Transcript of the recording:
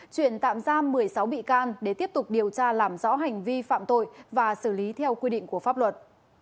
chuyển tạm ra một mươi sáu bị can để tiếp tục điều tra làm rõ hành vi phạm tội và xử lý theo quy định của pháp luật